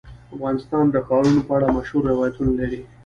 افغانستان د ښارونو په اړه مشهور روایتونه لري.